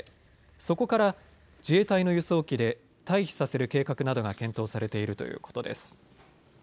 そこから自衛隊の輸送機で退避させる計画などが検討されているということです。